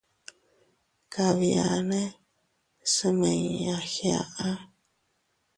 Kabiane smiña giaʼa.